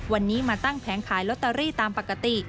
วันนี้มาตั้งแผงขายลอตเตอรี่ตามปกติ